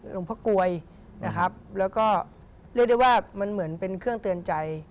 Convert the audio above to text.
หลวงพ่อกลวยนะครับแล้วก็เรียกได้ว่ามันเหมือนเป็นเครื่องเตือนใจ